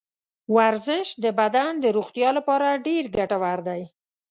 ورزش د بدن د روغتیا لپاره ډېر ګټور دی.